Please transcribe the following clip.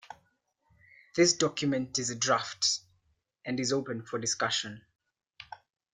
This document is a draft, and is open for discussion